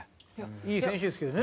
いい選手ですけどね。